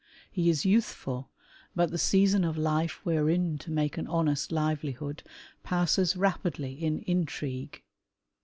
He is youthful, but the season of life wherein to make an honest livelihood passes rapidly in intrigue.